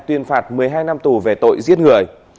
tuyên phạt một mươi hai năm tù về tội giết người